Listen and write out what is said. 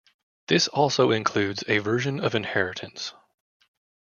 This also includes a version of inheritance.